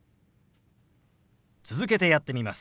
続けてやってみます。